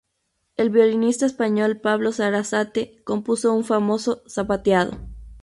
El violinista español Pablo Sarasate compuso un famoso Zapateado.